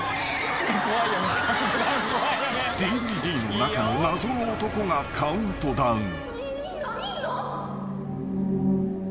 ［ＤＶＤの中の謎の男がカウントダウン］